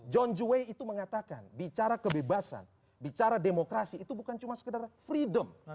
john juwe itu mengatakan bicara kebebasan bicara demokrasi itu bukan cuma sekedar freedom